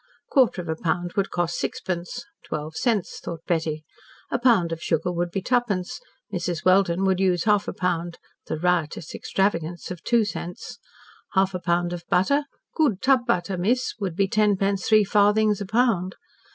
Quarter of a pound would cost sixpence (twelve cents, thought Betty). A pound of sugar would be twopence, Mrs. Welden would use half a pound (the riotous extravagance of two cents). Half a pound of butter, "Good tub butter, miss," would be ten pence three farthings a pound.